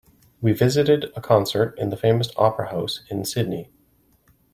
We visited a concert in the famous opera house in Sydney.